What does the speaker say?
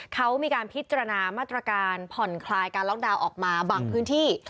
เขามีการพิจารณามาตรการผ่อนคลายการล็อกดาวน์ออกมาบางพื้นที่